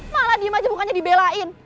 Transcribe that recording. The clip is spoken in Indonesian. malah diem aja bukannya di bella in